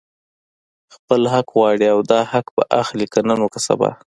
خپل حق غواړي او دا حق به اخلي، که نن وو که سبا